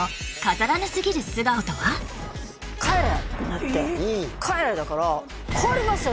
「帰れ！」ってなって「帰れ！」だから「帰りますよ！